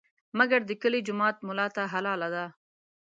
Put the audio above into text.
مګر د کلي جومات ملا ته حلاله ده.